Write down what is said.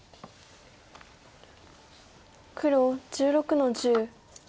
黒１６の十。